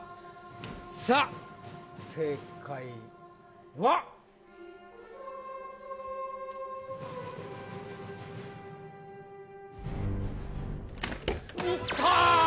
さあ正解はいた！